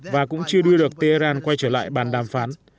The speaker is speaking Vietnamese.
và cũng chưa đuôi được tehran quay trở lại bàn đàm phán